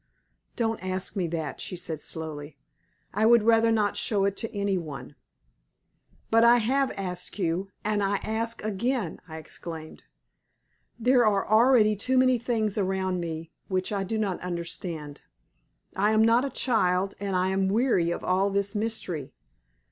"Don't ask me that," she said, slowly. "I would rather not show it to any one." "But I have asked you, and I ask again!" I exclaimed. "There are already too many things around me which I do not understand. I am not a child, and I am weary of all this mystery.